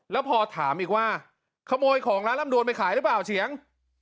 แล้วพอถามอีกว่าขโมยของร้านลำดวนไปขายหรือเปล่าเฉียง